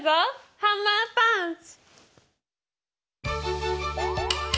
ハンマーパンチ！